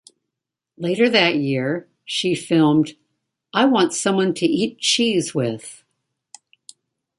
Later that same year, she filmed "I Want Someone to Eat Cheese With".